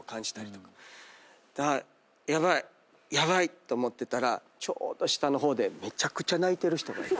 ヤバいヤバいと思ってたらちょうど下の方でめちゃくちゃ泣いてる人がいて。